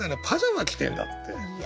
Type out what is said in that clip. パジャマ着てんだって。